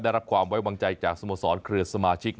ได้รับความไว้วางใจจากสโมสรเครือสมาชิก